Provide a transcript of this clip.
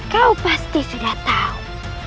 kau pasti sudah tahu